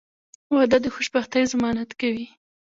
• واده د خوشبختۍ ضمانت کوي.